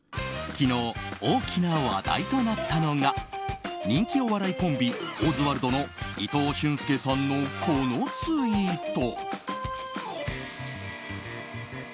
昨日、大きな話題となったのが人気お笑いコンビ、オズワルドの伊藤俊介さんのこのツイート。